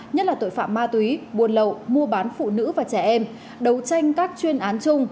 nhất là tội phạm ma túy buồn lậu mua bán phụ nữ và trẻ em đấu tranh các chuyên án chung